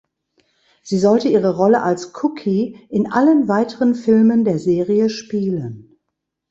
Sie sollte ihre Rolle als Cookie in allen weiteren Filmen der Serie spielen.